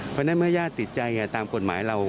เพราะฉะนั้นเมื่อญาติติดใจตามกฎหมายเรา